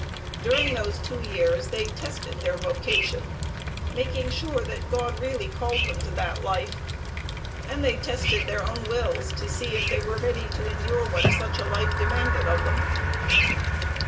During those two years they tested their vocation, making sure that God really called them to that life; and they tested their own wills to see if they were ready to endure what such a life demanded of them.